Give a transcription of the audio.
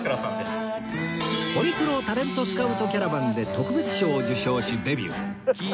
ホリプロタレントスカウトキャラバンで特別賞を受賞しデビュー